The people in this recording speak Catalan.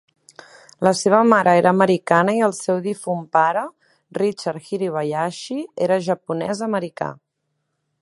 La seva mare era americana i el seu difunt pare, Richard Hirabayashi, era japonès-americà.